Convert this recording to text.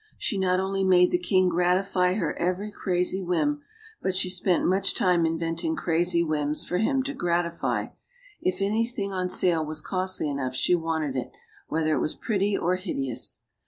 She not only made the king gratify her every crazy whim, but she spent much time invent ing crazy whims for him to gratify. If anything on sale was costly enough, she wanted it, whether it was pretty or hideous.